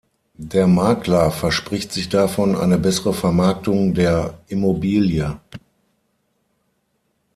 Der Makler verspricht sich davon eine bessere Vermarktung der Immobilie.